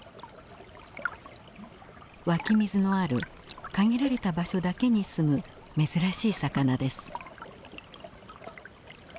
湧き水のある限られた場所だけに住む珍しい魚です。